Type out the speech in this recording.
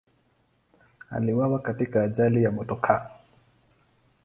Aliuawa katika ajali ya motokaa.